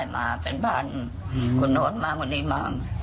มาเป็นบานคุณโน่นมากว่านี้มา